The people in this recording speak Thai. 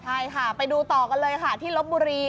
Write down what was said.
ใช่ค่ะไปดูต่อกันเลยค่ะที่ลบบุรี